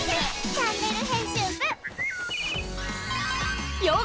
チャンネル編集部」へ！